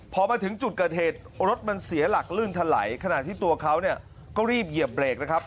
พอมาถึงจุดกระเทศรถมันเสียหลักลื่นไถลขนาดที่ตัวเขาเนี่ยก็รีบเหยียบเบรกนะครับ